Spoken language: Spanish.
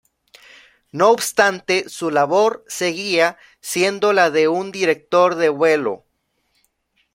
No obstante, su labor seguía siendo la de un director de vuelo.